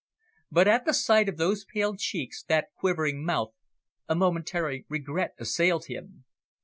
But at the sight of those pale cheeks, that quivering mouth, a momentary regret assailed him.